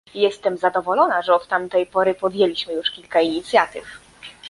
Jestem zadowolona, że od tamtej pory podjęliśmy już kilka inicjatyw